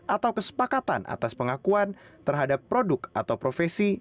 atau kesepakatan atas pengakuan terhadap produk atau profesi